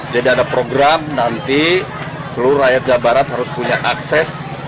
jadi ada program nanti seluruh rakyat jawa barat harus punya akses